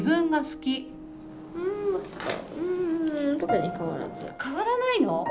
うん変わらないの？